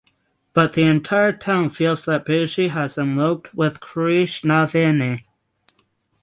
But the entire town feels that Bujji has eloped with Krishnaveni.